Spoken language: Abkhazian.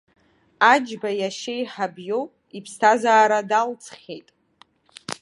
Аџьба иашьеиҳаб иоуп, иԥсҭазаара далҵхьеит.